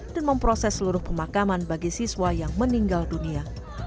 dan memproses seluruh pemakaman bagi siswa yang meninggal dunia